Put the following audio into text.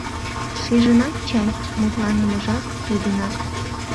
Шижынат чай, мутланымыжат тудынак.